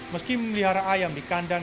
meski memelihara ayam di kandang